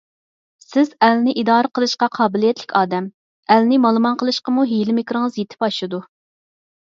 سىز ئەلنى ئىدارە قىلىشقا قابىلىيەتلىك ئادەم، ئەلنى مالىمان قىلىشقىمۇ ھىيلە - مىكرىڭىز يېتىپ ئاشىدۇ!